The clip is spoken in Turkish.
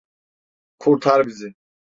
Kurtar bizi!